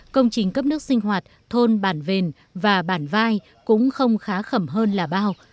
công trình cấp nước sinh hoạt thôn bản vền và bản vai cũng không khá khẩm hơn là bao